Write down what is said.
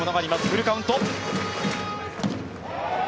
フルカウント。